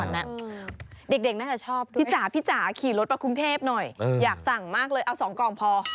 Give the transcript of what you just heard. เด็กน่าจะชอบด้วยพี่จ๋าพี่จ๋าขี่รถมากรุงเทพหน่อยอยากสั่งมากเลยเอา๒กล่องพอ